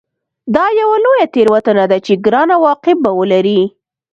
دا یوه لویه تېروتنه ده چې ګران عواقب به ولري